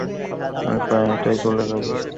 আমি পায়ে হেঁটেই চলে যাবো।